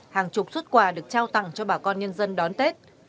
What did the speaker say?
hàng chục xuất quà được trao tặng cho bà con nhân dân đón tết